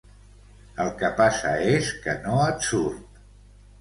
El que passa és que no et surt.